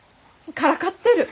からかってる。